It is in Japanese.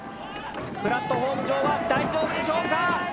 プラットホーム上は大丈夫でしょうか。